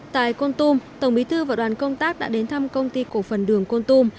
tại con tum tổng bí thư và đoàn công tác đã đến thăm công ty cổ phần đường con tum